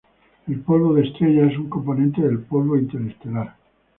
El polvo de estrellas es un componente del polvo interestelar.